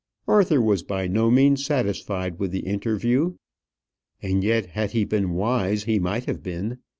Arthur was by no means satisfied with the interview, and yet had he been wise he might have been.